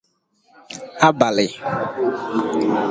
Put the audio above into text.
abali